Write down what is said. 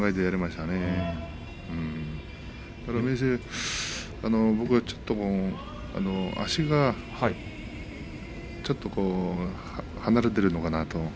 ただ明生は足がちょっと離れているのかなと。